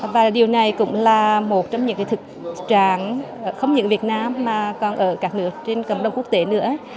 và điều này cũng là một trong những thực trạng không những việt nam mà còn ở các nước trên cộng đồng quốc tế nữa